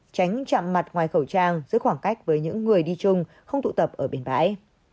tránh chạm mặt ngoài khẩu trang giữa khoảng cách với những người đi chung không tụ tập ở bên bãi